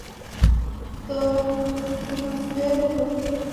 আমি তোমাকে গোত্রপ্রধান মানি।